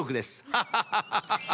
ハハハハハハ。